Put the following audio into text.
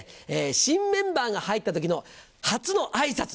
新メンバーが入った時の初のあいさつ